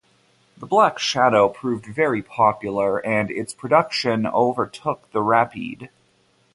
The Black Shadow proved very popular and its production overtook the Rapide.